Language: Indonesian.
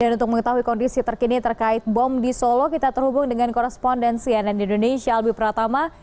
dan untuk mengetahui kondisi terkini terkait bom di solo kita terhubung dengan korespondensi ann indonesia albi pratama